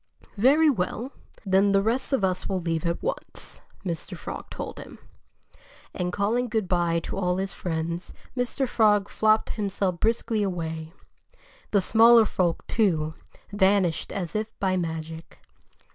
"Very well! Then the rest of us will leave at once," Mr. Frog told him. And calling good by to all his friends, Mr. Frog flopped himself briskly away. The smaller folk, too, vanished as if by magic.